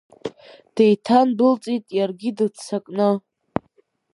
Деиҭандәылҵит иаргьы дыццакны.